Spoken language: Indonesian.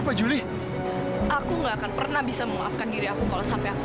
tolong jelasin sama aku